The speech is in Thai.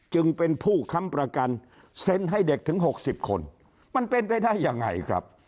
จึงเป็นผู้ค้ำประกันเซ็นให้เด็กถึง๖๐คนมันเป็นไปได้ยังไงครับ